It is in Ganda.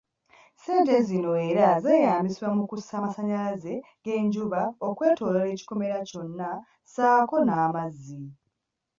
Ssente zino era zeeyambisibwa mu kussa amasanyalaze g'enjuba okwetoolola ekikomera kyonna saako n'amazzi.